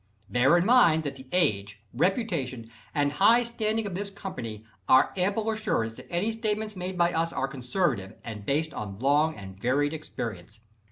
Bear in mind that the age, reputation and high standing of this Company are ample assurance that any statements made by us are conservative, and based on long and varied experience.